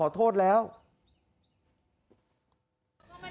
ในที่สุดแม่ยอมให้ข่าว